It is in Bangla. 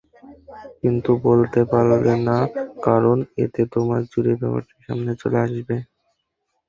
কিন্তু বলতে পারলে না কারণ এতে তোমার চুরির ব্যাপারটা সামনে চলে আসবে।